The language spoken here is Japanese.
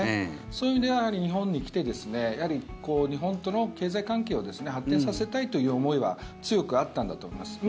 そういう意味では日本に来て日本との経済関係を発展させたいという思いは強くあったんだと思います。